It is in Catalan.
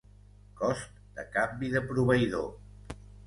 Cost de canvi de proveïdor.